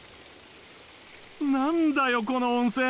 何だよこの温泉！